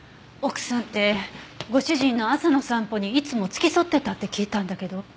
奥さんってご主人の朝の散歩にいつも付き添ってたって聞いたんだけど。